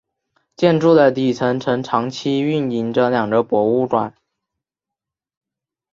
建筑的底层曾长期运营着两个博物馆。